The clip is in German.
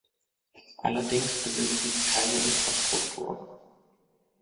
Allerdings besitzen sie keine Infrastruktur.